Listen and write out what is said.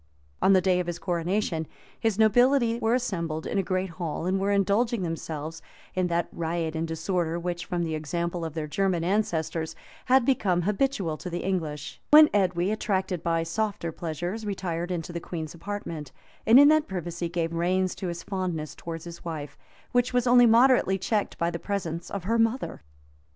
On the day of his coronation, his nobility were assembled in a great hall, and were indulging themselves in that riot and disorder, which, from the example of their German ancestors, had become habitual to the English;[*] when Edwy, attracted by softer pleasures, retired into the queen's apartment, and in that privacy gave reins to his fondness towards his wife, which was only moderately checked by the presence of her mother.